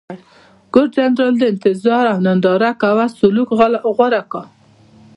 ګورنرجنرال د انتظار او ننداره کوه سلوک غوره کړ.